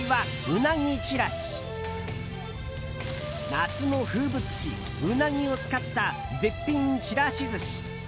夏の風物詩ウナギを使った絶品ちらし寿司。